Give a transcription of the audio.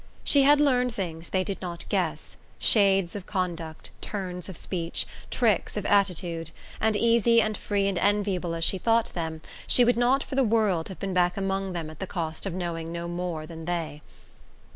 She had learned things they did not guess: shades of conduct, turns of speech, tricks of attitude and easy and free and enviable as she thought them, she would not for the world have been back among them at the cost of knowing no more than they.